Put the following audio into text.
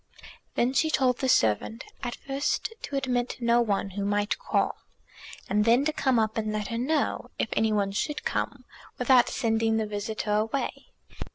Then she told the servant, at first to admit no one who might call, and then to come up and let her know, if any one should come, without sending the visitor away.